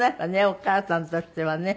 お母さんとしてはね。